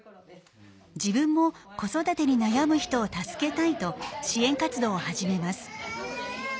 自分も子育てに悩む人を助けたいと支援活動を始めます。